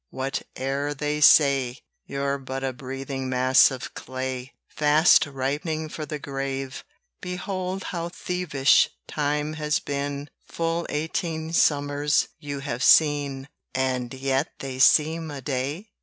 whate'er they say, You're but a breathing mass of clay, Fast ripening for the grave. Behold how thievish Time has been! Full eighteen summers you have seen, And yet they seem a day?